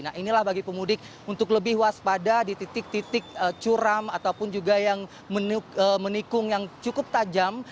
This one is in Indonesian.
nah inilah bagi pemudik untuk lebih waspada di titik titik curam ataupun juga yang menikung yang cukup tajam